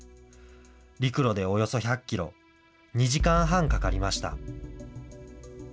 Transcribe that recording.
陸路でおよそ１００キロ、２時間半かかりました。